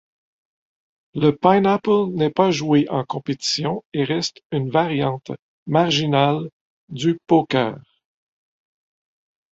Le Pineapple n'est pas joué en compétition et reste une variante marginale du poker.